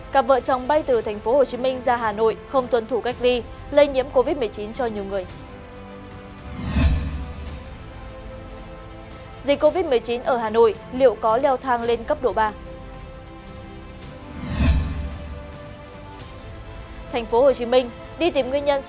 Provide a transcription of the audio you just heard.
các bạn hãy đăng ký kênh để ủng hộ kênh của chúng mình nhé